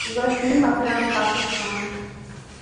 Wasim Akram Pakistan